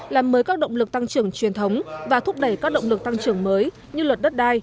làm mới các động lực tăng trưởng truyền thống và thúc đẩy các động lực tăng trưởng mới như luật đất đai